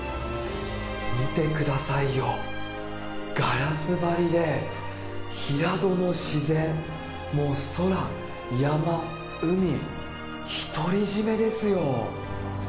見てくださいよ、ガラス張りで平戸の自然、もう空、山、海、独り占めですよ。